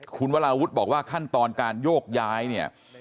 คุณวราวุฒิบอกว่าขั้นตอนการโยกย้ายเนี่ย